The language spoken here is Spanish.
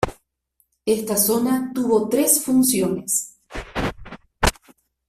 Esta zona tuvo tres funciones.